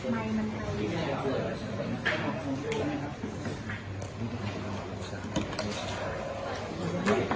มายมันเท่าไหร่นะครับ